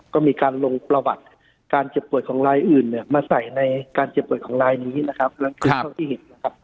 ก็มีการลงประวัติการเจ็บป่วยของลายอื่นมาใส่ในการเจ็บป่วยของลายนี้นะครับ